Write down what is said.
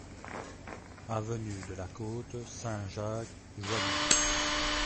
Avenue de la Côte Saint-Jacques, Joigny